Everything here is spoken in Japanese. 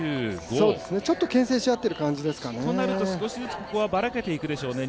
ちょっとけん制し合っている感じですかねとなると、少しずつここは、ばらけていくでしょうね。